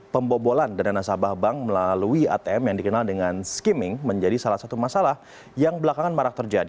pembobolan dana nasabah bank melalui atm yang dikenal dengan skimming menjadi salah satu masalah yang belakangan marak terjadi